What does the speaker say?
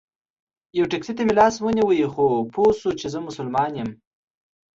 یوه ټیکسي ته مې لاس ونیو خو پوی شو چې زه مسلمان یم.